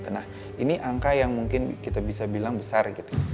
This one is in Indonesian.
nah ini angka yang mungkin kita bisa bilang besar gitu